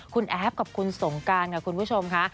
คุณแอฟกับคุณสงการค่ะคุณผู้ชมค่ะ